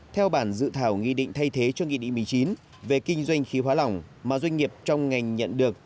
theo bản dự thảo nghị định thay thế cho nghị định một mươi chín về kinh doanh khí hóa lỏng mà doanh nghiệp trong ngành nhận được